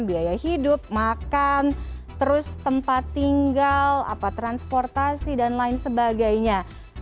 biaya hidup makan terus tempat tinggal transportasi dan lain sebagainya